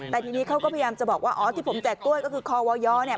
แต่ทีนี้เขาก็พยายามจะบอกว่าอ๋อที่ผมแจกกล้วยก็คือคอวยเนี่ย